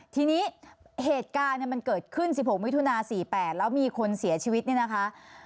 ทีนี้เหตุการณ์มันเกิดขึ้น๑๖มิถุนา๔๘แล้วมีคนเสียชีวิตเนี่ยนะคะ